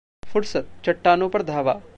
फुरसतः चट्टानों पर धावा